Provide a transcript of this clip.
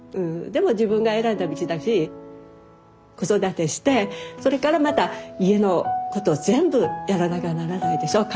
でも自分が選んだ道だし子育てしてそれからまた家のことを全部やらなきゃならないでしょう。